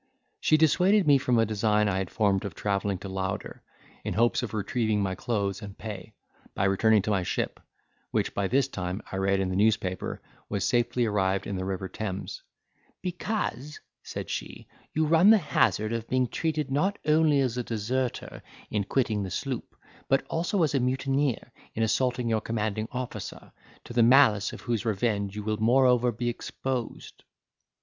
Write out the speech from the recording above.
She dissuaded me from a design I had formed of travelling to Louder, in hopes of retrieving my clothes and pay, by returning to my ship, which by this time I read in the newspaper was safely arrived in the River Thames: "because," said she, "you run the hazard of being treated not only as a deserter in quitting the sloop, but also as a mutineer, in assaulting your commanding officer, to the malice of whose revenge you will moreover be exposed."